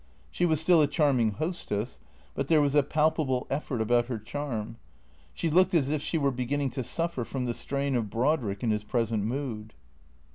She was still a charming hostess, but there was a palpable effort about her charm. She looked as if she were beginning to suffer from the strain of Brodrick in his present mood.